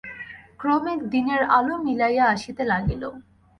ক্রমে দিনের আলো মিলাইয়া আসিতে লাগিল।